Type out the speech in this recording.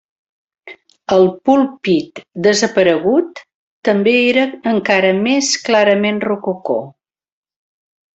El púlpit desaparegut també era encara més clarament rococó.